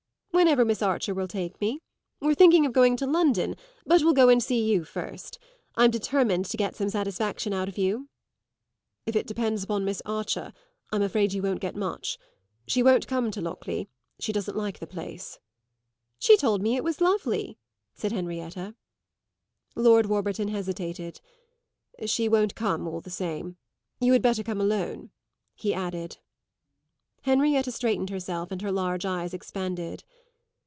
"Whenever Miss Archer will take me. We're thinking of going to London, but we'll go and see you first. I'm determined to get some satisfaction out of you." "If it depends upon Miss Archer I'm afraid you won't get much. She won't come to Lockleigh; she doesn't like the place." "She told me it was lovely!" said Henrietta. Lord Warburton hesitated. "She won't come, all the same. You had better come alone," he added. Henrietta straightened herself, and her large eyes expanded.